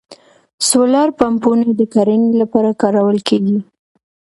سولر پمپونه د کرنې لپاره کارول کیږي